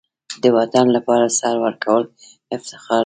د وطن لپاره سر ورکول افتخار دی.